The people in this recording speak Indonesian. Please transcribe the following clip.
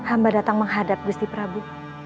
hamba datang menghadap gusti prabu